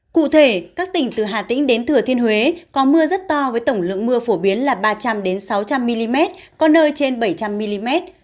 cụ thể các tỉnh từ hà tĩnh đến thừa thiên huế có mưa rất to với tổng lượng mưa phổ biến là ba trăm linh sáu trăm linh mm có nơi trên bảy trăm linh mm